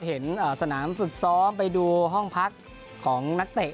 เห็นสนามฝึกซ้อมไปดูห้องพักของนักเตะ